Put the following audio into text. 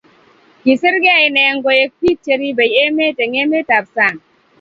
Kisirgei inne koek biik cheribe emet eng emetab sang